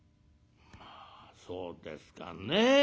「まあそうですかね。